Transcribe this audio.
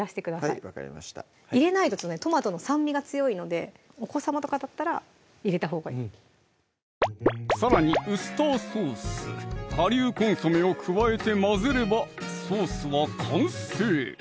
はい分かりました入れないとトマトの酸味が強いのでお子さまとかだったら入れたほうがいいさらにウスターソース・顆粒コンソメを加えて混ぜればソースは完成！